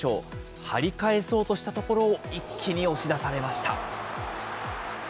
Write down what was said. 張り返そうとしたところを、一気に押し出されました。